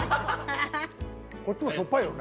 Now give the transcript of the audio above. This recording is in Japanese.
・こっちもしょっぱいよね。